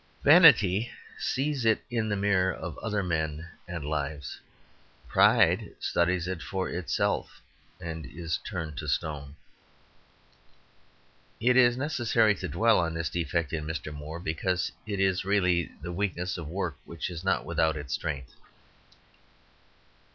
Vanity sees it in the mirror of other men and lives. Pride studies it for itself and is turned to stone. It is necessary to dwell on this defect in Mr. Moore, because it is really the weakness of work which is not without its strength.